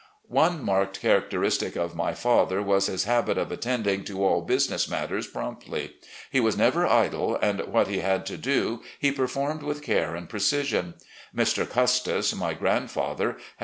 One marked characteristic of my father was his habit of attending to all business matters promptly. He was never idle, and what he had to do he performed with care and precision. Mr. Custis, my grandfather, had.